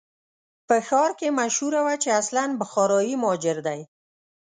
په ښار کې مشهوره وه چې اصلاً بخارایي مهاجر دی.